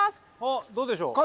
あどうでしょう。